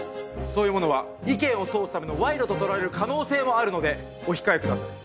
そういうものは意見を通すための賄賂と取られる可能性もあるのでお控えください。